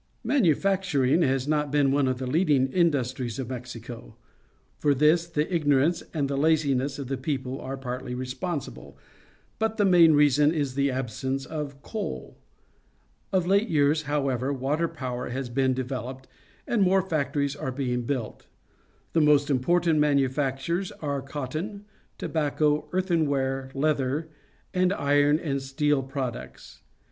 Manufacturing has not been one of the leading industries of [Mexico. For this the ignorance and the laziness of the people are partly responsible, but the main reason is the absence of coal. Of late years, however, water power has been developed, and more factories are being built. The most impor tant manufactures are cotton, tobacco, earth enware, leather, and iron and steel products.